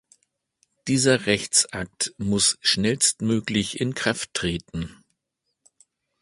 Dieser Rechtsakt muss schnellstmöglich in Kraft treten.